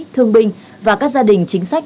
thương binh và các gia đình chính sách